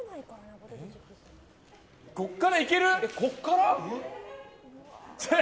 ここから行ける？